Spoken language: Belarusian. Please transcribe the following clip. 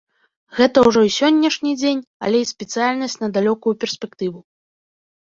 Гэта ўжо і сённяшні дзень, але і спецыяльнасць на далёкую перспектыву.